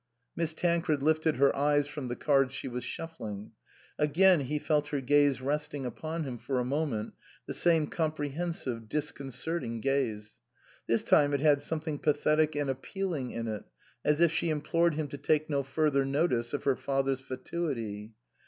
Miss Tancred lifted her eyes from the cards she was shuffling. Again he felt her gaze rest ing upon him for a moment, the same compre hensive, disconcerting gaze. This time it had something pathetic and appealing in it, as if she implored him to take no further notice of her father's fatuity.